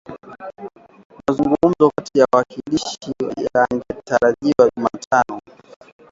Mazungumzo kati ya wawakilishi yangetarajiwa Jumatano